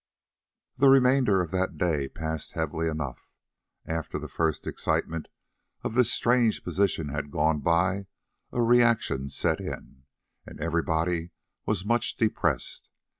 The remainder of that day passed heavily enough. After the first excitement of their strange position had gone by a reaction set in, and everybody was much depressed.